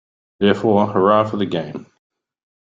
Therefore, hurrah for the game.